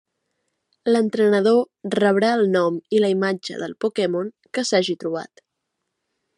L'entrenador rebrà el nom i la imatge del Pokémon que s'hagi trobat.